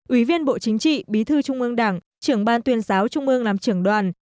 ủy viên bộ chính trị bí thư trung ương đảng trưởng ban tuyên giáo trung ương làm trưởng đoàn